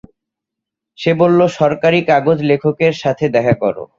সে বললো সরকারি কাগজ লেখকের সাথে দেখা করো।